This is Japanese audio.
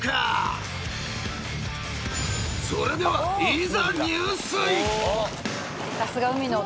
［それではいざ］